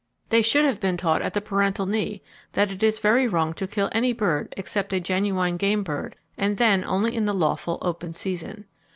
They should have been taught at the parental knee that it is very wrong to kill any bird except a genuine game bird, and then only in the lawful open season.